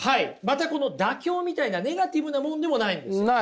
またこの妥協みたいなネガティブなものでもないんです。